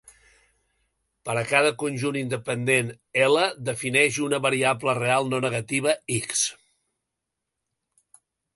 Per a cada conjunt independent "I", defineix una variable real no negativa "x".